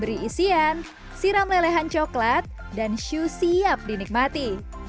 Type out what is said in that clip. beri isian siram lelehan coklat dan syu siap dinikmati